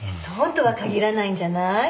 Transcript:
そうとは限らないんじゃない？